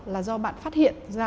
là do bạn phát hiện ra